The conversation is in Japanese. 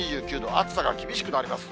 暑さが厳しくなります。